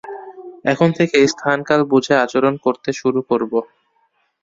এখন থেকে স্থান-কাল বুঝে আচরণ করতে শুরু করবো।